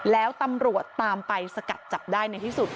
แล้วตำรวจตามไปสกัดจับได้ในที่สุด